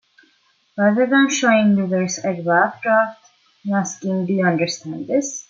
Rather than showing users a rough draft and asking, Do you understand this?